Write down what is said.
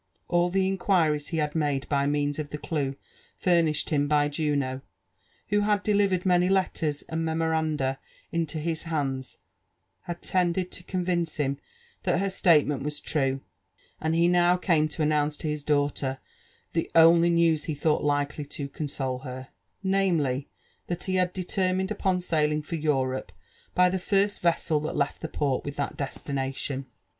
All the inquiries he had made by means of the clue furnished him by Juno, who had delivered many letters and memoranda into his hands, had tended to convince him that her statement was true, and he now came to announce to his daughter the only news he thought likely to console her ; namely, that he had determined upon sailing for Europe by the first vessel that left the port with that destination.